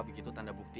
begitu tanda bukti